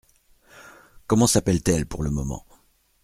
Comment s'appelle-t-elle pour le moment ?